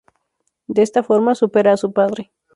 De esta forma, supera a su padre.